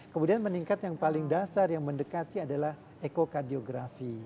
kemudian meningkat yang paling dasar yang mendekati adalah ekokadiografi